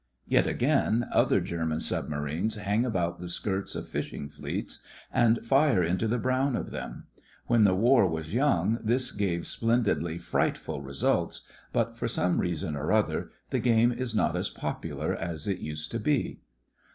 Yet again, other German submarines hang about the skirts of fishing fleets and fire into the brown of them. "WTien the war was young this gave splendidly "frightful" results, but for some reason or other the game is not as popular as it used to be.